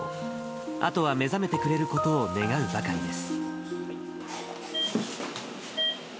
あとは目覚めてくれることを願うばかりです。